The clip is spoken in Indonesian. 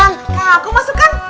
nah aku masukkan